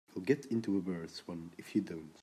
You'll get into a worse one if you don't.